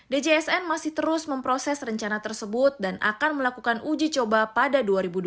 djsn masih terus memproses rencana tersebut dan akan melakukan uji coba pada dua ribu dua puluh